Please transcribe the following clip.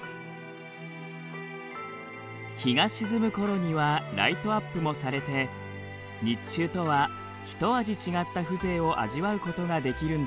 日が沈む頃にはライトアップもされて日中とは一味違った風情を味わうことができるんです。